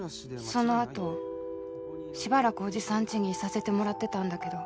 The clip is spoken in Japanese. そのあとしばらくおじさんちにいさせてもらってたんだけど。